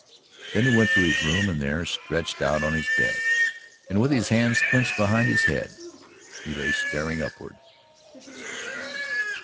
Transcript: Then he went to his room and there, stretched out on his bed and with his hands clenched behind his head, he lay staring upward.